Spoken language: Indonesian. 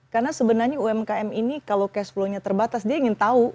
karena sebenarnya umkm ini kalau cash flow nya terbatas dia ingin tahu